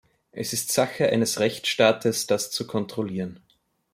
Es ist Sache eines Rechtsstaates, das zu kontrollieren.